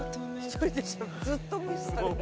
ずっと無視されて。